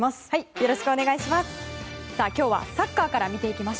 よろしくお願いします。